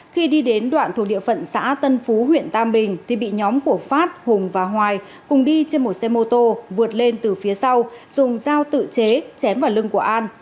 khi đi đến đoạn thuộc địa phận xã tân phú huyện tam bình thì bị nhóm của phát hùng và hoài cùng đi trên một xe mô tô vượt lên từ phía sau dùng dao tự chế chém vào lưng của an